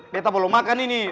betah belum makan ini